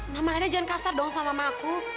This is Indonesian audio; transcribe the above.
mama lainnya jangan kasar dong sama mamaku